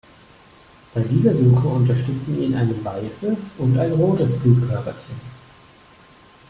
Bei dieser Suche unterstützen ihn ein weißes und ein rotes Blutkörperchen.